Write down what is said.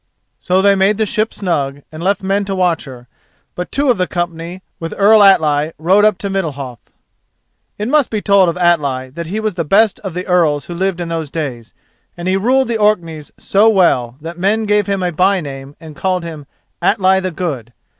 So they made the ship snug, and left men to watch her; but two of the company, with Earl Atli, rode up to Middalhof. It must be told of Atli that he was the best of the earls who lived in those days, and he ruled the Orkneys so well that men gave him a by name and called him Atli the Good.